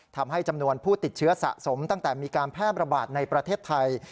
ทำให้จำนวนผู้ติดเชื้อสะสมตั้งแต่มีการแพร่ระบาดในประเทศไทย